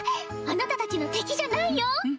あなたたちの敵じゃないよ！